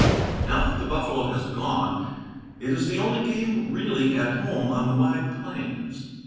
Now that the buffalo has gone, it is the only game really at home on the wide plains.